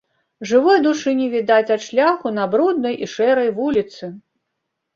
Жывой душы не відаць ад шляху на бруднай і шэрай вуліцы.